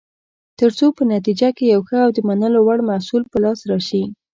ترڅو په نتیجه کې یو ښه او د منلو وړ محصول په لاس راشي.